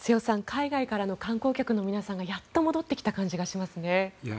海外からの観光客の皆さんがやっと戻ってきた感じがしますね。